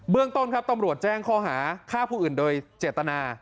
เรื่องต้นครับตำรวจแจ้งข้อหาฆ่าผู้อื่นโดยเจตนา